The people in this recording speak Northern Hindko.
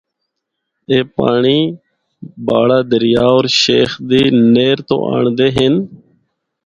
اے پانڑی باڑہ دریا ہور شیخ دی نہر تو آنڑدے ہن۔